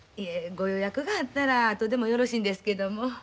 ご予約があったらあとでもよろしいんですけども。